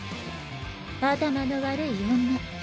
頭の悪い女。